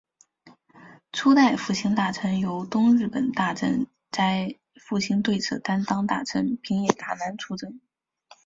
初代复兴大臣由东日本大震灾复兴对策担当大臣平野达男出任。